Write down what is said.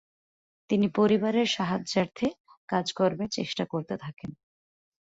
তিনি পরিবারের সাহায্যার্থে কাজকর্মের চেষ্টা করতে থাকেন।